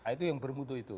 itu yang bermutu itu